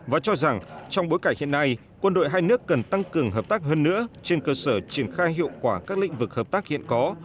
và cho rằng trong bối cảnh hiện nay quân đội hai nước cần tăng cường hợp tác hơn nữa trên cơ sở triển khai hiệu quả các lĩnh vực hợp tác hiện có